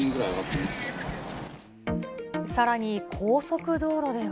さらに高速道路では。